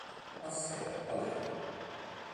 Ha sede a Palermo.